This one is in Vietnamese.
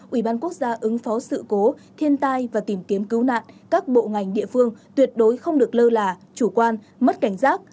ủy ban quốc gia ứng phó sự cố thiên tai và tìm kiếm cứu nạn các bộ ngành địa phương tuyệt đối không được lơ là chủ quan mất cảnh giác